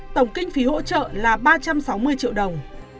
tổng kinh phí hỗ trợ là ba trăm sáu mươi triệu đồng